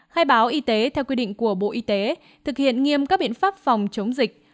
khai báo y tế theo quy định của bộ y tế thực hiện nghiêm các biện pháp phòng chống dịch